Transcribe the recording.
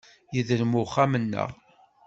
Yedrem uxxam-nneɣ.